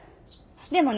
でもね。